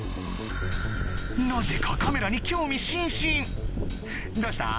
なぜかカメラに興味津々どうした？